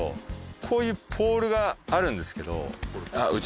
こういうポールがあるんですけど。